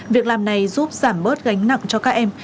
việc làm này giúp giảm bớt gánh nặng cho các em